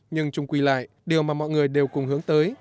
nhưng chung quỳ lại điều mà mọi người đều cùng hướng tới